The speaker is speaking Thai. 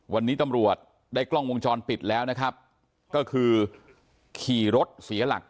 วันนี้ตำรวจได้กล้องวงจรปิดแล้วนะครับก็คือขี่รถเสียหลัก